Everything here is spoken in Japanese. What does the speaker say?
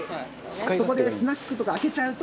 そこでスナックとか開けちゃうと。